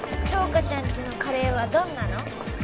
杏花ちゃんちのカレーはどんなの？